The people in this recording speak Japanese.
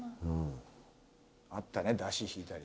あったね山車引いたり。